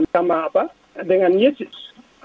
sama apa dengan yesus